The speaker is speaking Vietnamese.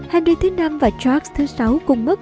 henry v và george vi cùng mất